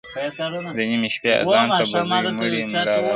د نیمي شپې آذان ته به زوی مړی ملا راسي!!